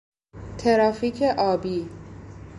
ترافیک آبی